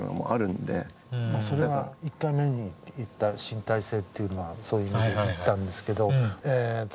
まあそれは１回目に言った身体性っていうのはそういう意味で言ったんですけどえっと